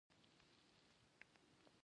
آیا دوی اراده او پلان نلري؟